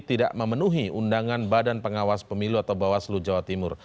tidak memenuhi undangan badan pengawas pemilu atau bawaslu jawa timur